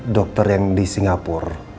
dokter yang di singapura